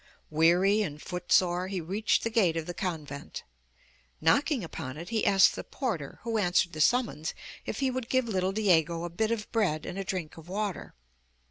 Weary and footsore he reached the gate of the convent. Knocking upon it, he asked the porter, who answered the summons, if he would give little Diego a bit of bread and a drink of water.